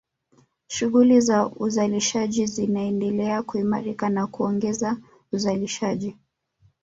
Shughuli za uzalishaji zinaendelea kuimarika na kuongeza uzalishaji